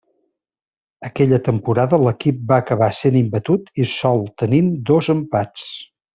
Aquella temporada l'equip va acabar sent imbatut i sol tenint dos empats.